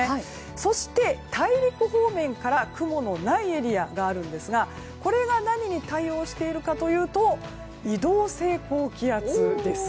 そして、大陸方面から雲のないエリアがあるんですがこれが何に対応しているかというと移動性高気圧です。